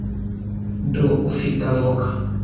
do ufite avoka